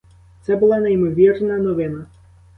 Це була неймовірна новина.